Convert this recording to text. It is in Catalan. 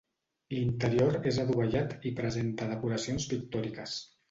L'interior és adovellat i presenta decoracions pictòriques.